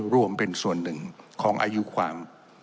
รวมเป็นส่วนหนึ่งของอายุความ